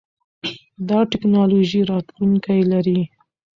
دا ټکنالوژي راتلونکی لري.